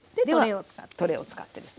でトレーを使って。